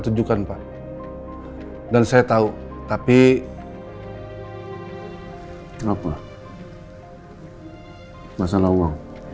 tunjukkan dimana anak saya berada